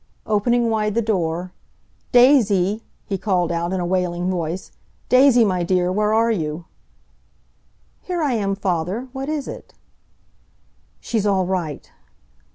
Opening wide the door, "Daisy!" he called out, in a wailing voice, "Daisy, my dear! where are you?" "Here I am, father. What is it?" "She's all right."